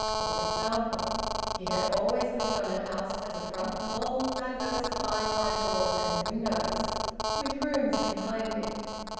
For example, he had always looked on a house as a front wall diversified by doors and windows, with rooms behind it.